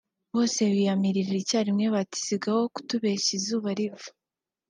Bose biyamirira icyarimwe bati “ Sigaho kutubeshya izuba riva